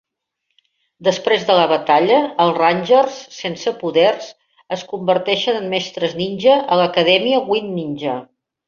Després de la batalla, els Rangers sense poders es converteixen en mestres ninja a l'acadèmia Wind Ninja.